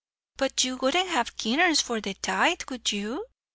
"But you wouldn't have keeners for the Tithe, would you?